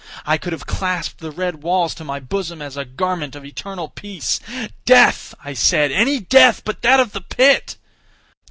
I could have clasped the red walls to my bosom as a garment of eternal peace. "Death," I said, "any death but that of the pit!"